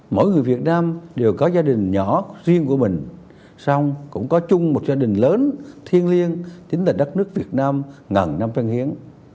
mỗi người việt nam đều có gia đình nhỏ riêng của mình song cũng có chung một gia đình lớn thiên liêng chính là đất nước việt nam ngần năm phân hiến